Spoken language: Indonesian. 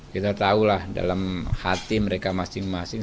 kita tahulah dalam hati mereka masing masing